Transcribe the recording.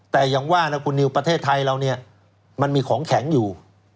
แต่อย่างว่านะคุณนิวประเทศไทยเราเนี่ยมันมีของแข็งอยู่